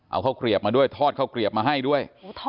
เอาข้าวเกลียบมาด้วยทอดข้าวเกลียบมาให้ด้วย